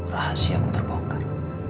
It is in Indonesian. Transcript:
rahasianya aku terbongkar